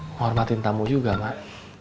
menghormatin tamu juga mak